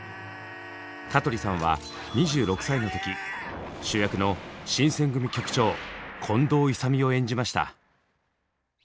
香取さんは２６歳の時主役の新選組局長近藤勇を演じました。